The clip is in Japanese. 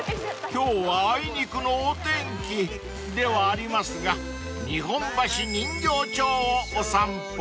［今日はあいにくのお天気ではありますが日本橋人形町をお散歩］